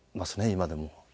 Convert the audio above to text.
今でも。